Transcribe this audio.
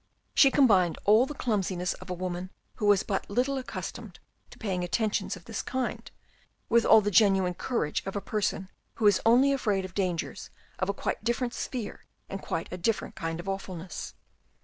She combined all the clumsiness of a woman who was but little accustomed to paying attentions of this kind, with all the genuine courage of a person who is only afraid of dangers of quite a different sphere and quite a different kind of awfulness.